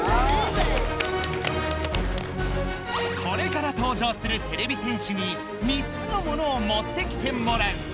これから登場するてれび戦士に３つのものをもってきてもらう。